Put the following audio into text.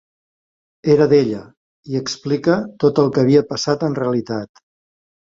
Era d'ella, i explica tot el que havia passat en realitat.